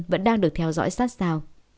vẫn đang được theo dõi sát sao